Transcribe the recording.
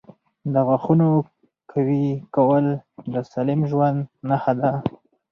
• د غاښونو قوي کول د سالم ژوند نښه ده.